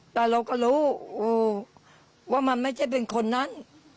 แต่เราก็รู้ว่ามันไม่ใช่เป็นคนนั้น